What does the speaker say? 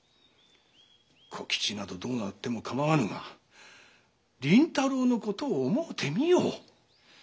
小吉などどうなっても構わぬが麟太郎のことを思うてみよ。